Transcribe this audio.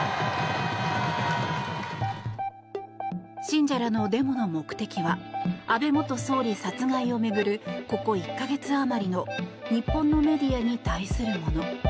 信者らのデモの目的は安倍元総理殺害を巡るここ１か月余りの日本のメディアに対するもの。